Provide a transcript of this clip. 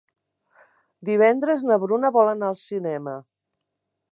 Divendres na Bruna vol anar al cinema.